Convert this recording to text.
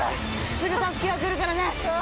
すぐ助けが来るからね。